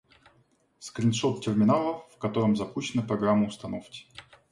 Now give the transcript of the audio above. Скриншот терминала, в котором запущена программа установки